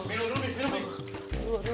ya umi juga sama lah